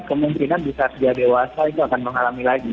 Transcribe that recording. kemungkinan di saat dia dewasa itu akan mengalami lagi